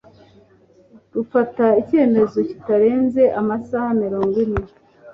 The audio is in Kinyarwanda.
rufata icyemezo bitarenze amasaha mirongo ine